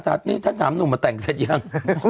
ถ้าถามหนูมาแต่งเสร็จยัง